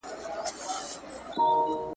که لمر راوخېژي، هوا به یو څه ګرمه شي.